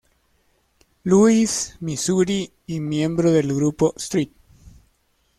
Louis, Missouri, y miembro del grupo St.